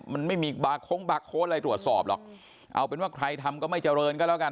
มันไม่มีบาร์โค้งบาร์โค้ดอะไรตรวจสอบหรอกเอาเป็นว่าใครทำก็ไม่เจริญก็แล้วกัน